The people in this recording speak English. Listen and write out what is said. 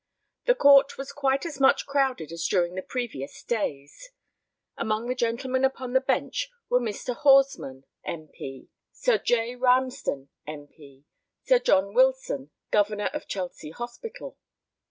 The court was quite as much crowded as during the previous days. Among the gentlemen upon the bench were Mr. Horsman, M.P., Sir J. Ramsden, M.P., and Sir John Wilson, Governor of Chelsea Hospital.